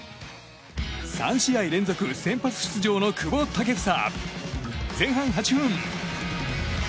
３試合連続先発出場の久保建英。前半８分。